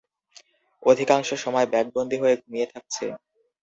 অধিকাংশ সময় ব্যাগবন্দি হয়ে ঘুমিয়ে থাকছে।